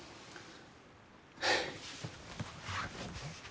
はあ。